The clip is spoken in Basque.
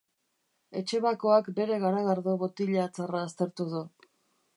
Etxebakoak bere garagardo botilatzarra aztertu du.